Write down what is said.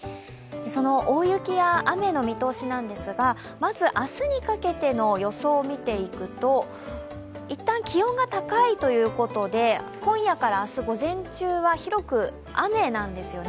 大雪や雨の見通しなんですが、まず明日にかけての予想を見ていくと一旦、気温が高いということで今夜から明日、午前中は広く雨なんですよね。